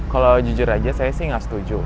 kalau jujur aja saya sih nggak setuju